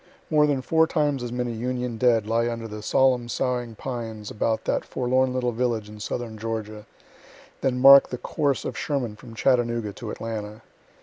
More than four times as many Union dead lie under the solemn soughing pines about that forlorn little village in southern Georgia, than mark the course of Sherman from Chattanooga to Atlanta.